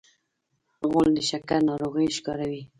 غول د شکر ناروغي ښکاروي.